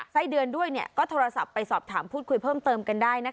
ไส้เดือนด้วยก็โทรศัพท์ไปสอบถามพูดคุยเพิ่มเติมกันได้